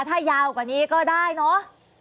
ถ้ายาวกว่านี้ก็ได้เนอะ